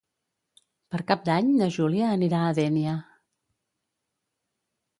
Per Cap d'Any na Júlia anirà a Dénia.